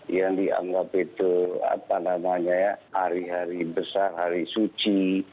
yang dianggap itu apa namanya ya hari hari besar hari suci